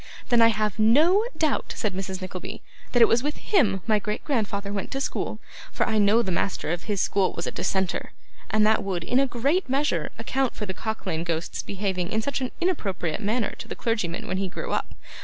'Then I have no doubt,' said Mrs. Nickleby, 'that it was with him my great grandfather went to school; for I know the master of his school was a dissenter, and that would, in a great measure, account for the Cock lane Ghost's behaving in such an improper manner to the clergyman when he grew up.